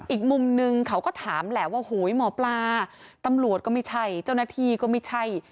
อีกมุมนึงเขาก็ถามแหละว่าโหยหมอปลาตำรวจก็ไม่ใช่เจ้าหน้าที่ก็ไม่ใช่